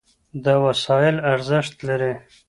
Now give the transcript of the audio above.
دا وسایل ارزښت لري.